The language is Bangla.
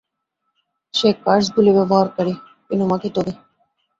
সে কার্স বুলি ব্যবহারকারী, ইনুমাকি তোগে।